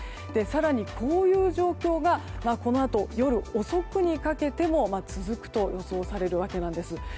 更にこういう状況がこのあと、夜遅くにかけても続くと予想されるわけです。